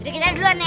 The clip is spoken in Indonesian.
kita duluan ya